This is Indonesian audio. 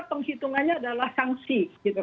penghitungannya adalah sanksi